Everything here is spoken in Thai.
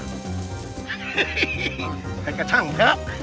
ใครก็ช่างเถอะ